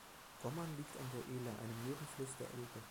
Gommern liegt an der Ehle, einem Nebenfluss der Elbe.